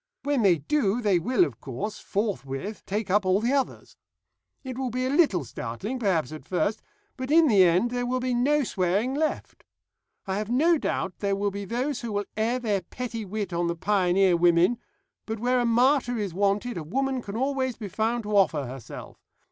When they do they will, of course, forthwith take up all the others. It will be a little startling perhaps at first, but in the end there will be no swearing left. I have no doubt there will be those who will air their petty wit on the pioneer women, but where a martyr is wanted a woman can always be found to offer herself.